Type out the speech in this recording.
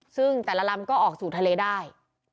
ซึ่งแต่ละลำก็ออกสู่ทะเลได้